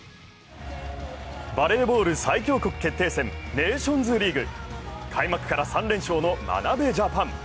バレーボール最強国決定戦、ネーションズリーグ開幕から３連勝の眞鍋ジャパン。